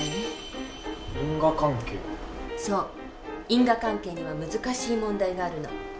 因果関係には難しい問題があるの。